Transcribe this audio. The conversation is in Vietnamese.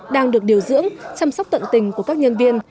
đang được điều dưỡng chăm sóc tận tình của các nhân viên